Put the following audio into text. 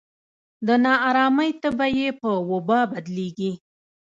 د نا ارامۍ تبه یې په وبا بدلېږي.